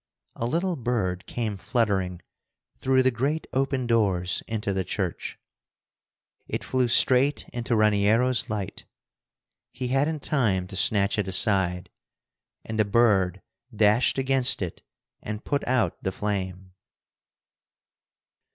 A little bird came fluttering through the great open doors into the church. It flew straight into Raniero's light. He hadn't time to snatch it aside, and the bird dashed against it and put out the flame.